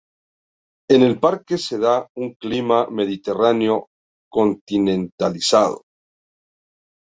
En el Parque se da un clima mediterráneo continentalizado.